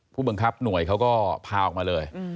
ผู้บังคับหน่วยเขาก็พาออกมาเลย